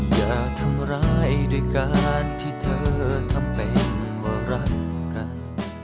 อย่าทำร้ายด้วยการที่เธอทำเป็นว่ารักกัน